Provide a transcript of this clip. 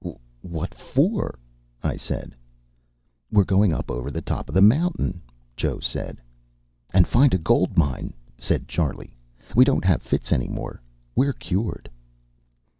"What for?" I said. "We're going up over the top of the mountain," Joe said. "And find a gold mine," said Charley. "We don't have fits any more. We're cured."